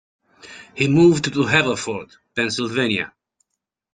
He moved to Haverford, Pennsylvania.